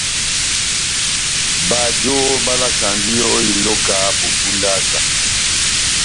Bajo bálakandi ó iloka bó pundaka.